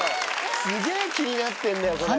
すげぇ気になってんだよこれ。